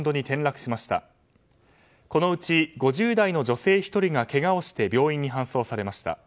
このうち５０代の女性１人がけがをして病院に搬送されました。